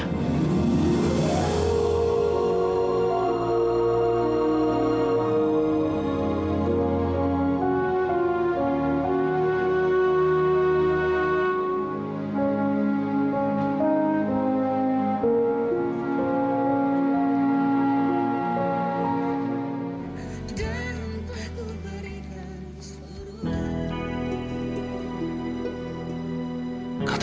dan ampah ku berikan semua